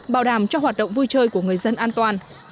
bảo đảm cho hoạt động vui chơi của người dân an toàn